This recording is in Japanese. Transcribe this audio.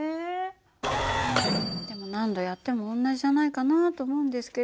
でも何度やっても同じじゃないかなと思うんですけど。